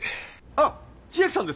あっ千秋さんですか？